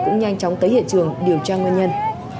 cũng nhanh chóng tới hiện trường điều tra nguyên nhân